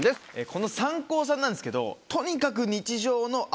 このサンコーさんなんですけどとにかく。